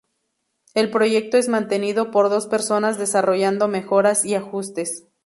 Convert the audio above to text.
El proyecto es mantenido por dos personas desarrollando mejoras y ajustes.